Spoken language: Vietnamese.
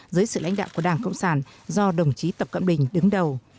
dưới sự lãnh đạo của đảng cộng sản do đồng chí tập cận bình đứng đầu